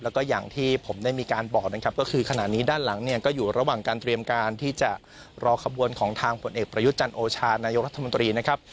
แล้วก็อย่างที่ผมได้มีการบอกนะครับก็คือขณะนี้ด้านหลังเนี่ยก็อยู่ระหว่างการเตรียมการที่จะรอขบวนของทางผลเอกประยุทธ์จันทร์โอชานายกรัฐมนตรีนะครับ